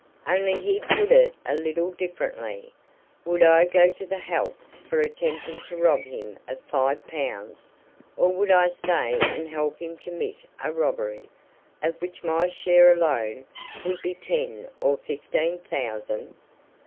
Only he put it a little differently. Would I go to the hulks for attempting to rob him of five pounds, or would I stay and help him commit a robbery, of which my share alone would be ten or fifteen thousand?